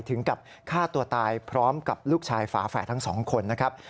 ถึงกับฆ่าตัวตายพร้อมกับลูกชายฝาแฝดทั้งสองคนนะครับ